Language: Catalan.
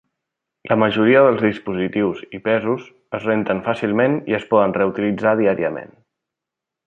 La majoria dels dispositius i pesos es renten fàcilment i es poden reutilitzar diàriament.